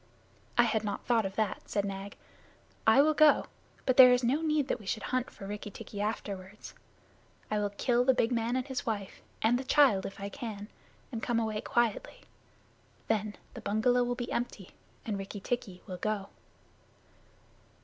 "I had not thought of that," said Nag. "I will go, but there is no need that we should hunt for Rikki tikki afterward. I will kill the big man and his wife, and the child if I can, and come away quietly. Then the bungalow will be empty, and Rikki tikki will go."